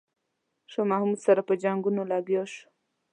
شاه محمود سره په جنګونو لګیا شو.